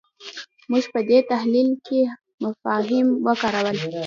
موږ په دې تحلیل کې مفاهیم وکارول.